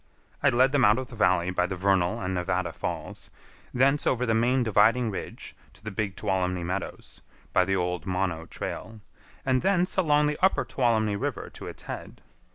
I led them out of the valley by the Vernal and Nevada Falls, thence over the main dividing ridge to the Big Tuolumne Meadows, by the old Mono trail, and thence along the upper Tuolumne River to its head.